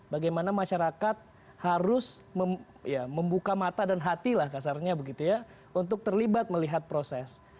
bagaimana masyarakat harus membuka mata dan hati lah kasarnya begitu ya untuk terlibat melihat proses